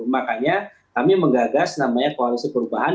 makanya kami menggagas namanya koalisi perubahan